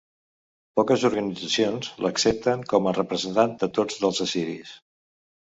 Poques organitzacions l'accepten com a representant de tots dels assiris.